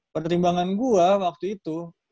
pertimbangan gue waktu itu